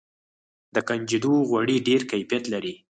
د کنجدو غوړي ډیر کیفیت لري.